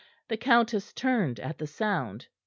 The countess turned at the sound.